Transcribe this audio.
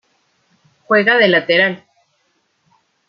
Juega de Lateral.